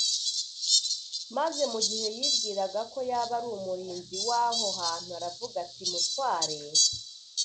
maze mu gihe yibwiraga ko yaba ari umurinzi w’aho hantu, aravuga ati: “mutware,